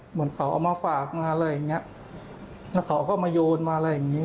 เหมือนเขาเอามาฝากมาและเขาก็มาโยนมา